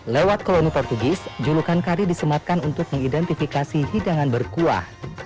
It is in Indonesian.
lewat kolono portugis julukan kari disematkan untuk mengidentifikasi hidangan berkuah